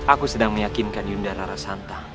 aku sedang meyakinkan yunda rara santan